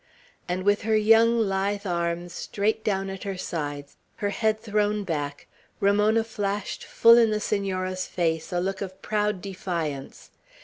And with her young lithe arms straight down at her sides, her head thrown back, Ramona flashed full in the Senora's face a look of proud defiance.